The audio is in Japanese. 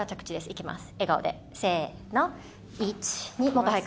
いきます。